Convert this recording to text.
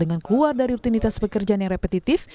dengan keluar dari rutinitas pekerjaan yang repetitif